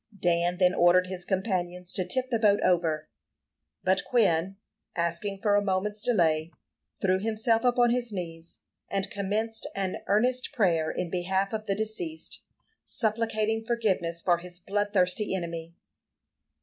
Dan then ordered his companions to tip the boat over; but Quin, asking for a moment's delay, threw himself upon his knees, and commenced an earnest prayer in behalf of the deceased, supplicating forgiveness for his bloodthirsty enemy.